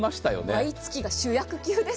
毎月が主役級です。